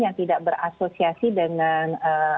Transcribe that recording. yang tidak berasosiasi dengan